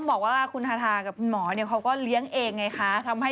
พี่ฮาทาพูดจุดลูกพี่ฮาทาเพิ่งมีลูกนะ